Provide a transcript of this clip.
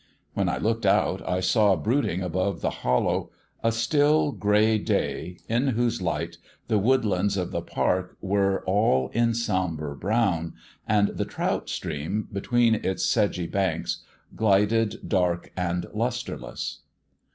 When I looked out I saw brooding above the hollow a still gray day, in whose light the woodlands of the park were all in sombre brown, and the trout stream between its sedgy banks glided dark and lustreless.